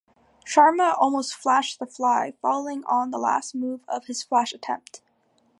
Sharma almost 'flashed' The Fly, falling on the last move of his flash attempt.